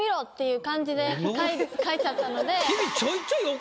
書いちゃったので。